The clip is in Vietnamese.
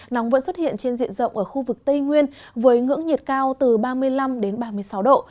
nóng vẫn xuất hiện trên diện rộng ở khu vực tây nguyên với ngưỡng nhiệt cao từ ba mươi năm đến ba mươi sáu độ